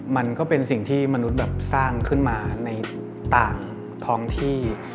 มันก็เป็นสิ่งที่มนุษย์แบบสร้างขึ้นมาในต่างท้องที่